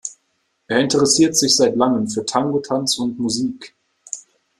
Er interessiert sich seit langem für Tango-Tanz und -Musik.